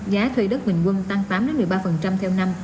giá thuê đất bình quân tăng tám một mươi ba theo năm